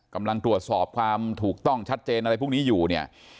กำลังตรวจสอบความถูกต้องชัดเจนอะไรพวกนี้อยู่เนี่ย